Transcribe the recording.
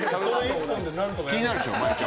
気になるでしょ？